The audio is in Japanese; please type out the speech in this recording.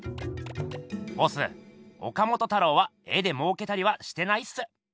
ボス岡本太郎は絵でもうけたりはしてないっす。